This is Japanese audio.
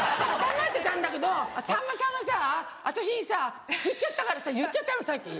黙ってたんだけどさんまさんが私にさふっちゃったからさ言っちゃったのさっき。